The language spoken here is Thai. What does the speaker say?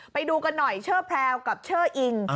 ไปดูกันหน่อยเชอร์แพรวกับเชอร์อิง